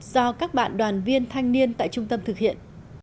do các bạn đoàn viên thanh niên tại trung tâm thực hiện